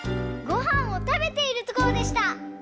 ごはんをたべているところでした。